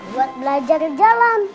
buat belajar jalan